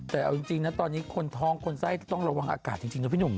แต่เอาจริงนะตอนนี้คนท้องคนไส้ต้องระวังอากาศจริงนะพี่หนุ่ม